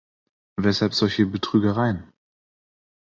Weshalb solche Betrügereien?